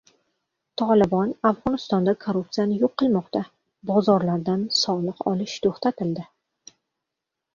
Tolibon Afg‘onistonda korrupsiyani yo‘q qilmoqda. Bozorlardan "soliq" olish to‘xtatildi